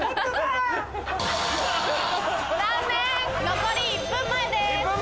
残り１分前です。